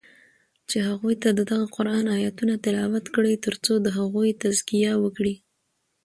چی هغوی ته ددغه قرآن آیتونه تلاوت کړی تر څو د هغوی تزکیه وکړی